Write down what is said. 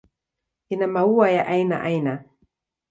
Ina maua ya aina aina.